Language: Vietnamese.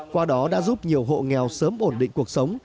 qua đó đã giúp nhiều hộ nghèo sớm ổn định cuộc sống